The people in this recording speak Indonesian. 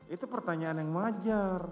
itu pertanyaan yang wajar